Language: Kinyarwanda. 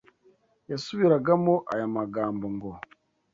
yasubiragamo aya magambo ngo,